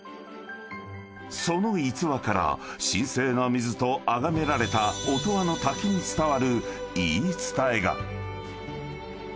［その逸話から神聖な水とあがめられた音羽の滝に伝わる言い伝えが］